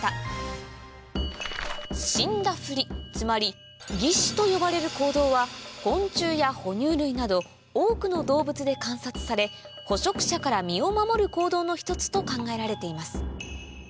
つまり擬死と呼ばれる行動は昆虫や哺乳類など多くの動物で観察され捕食者から身を守る行動の一つと考えられています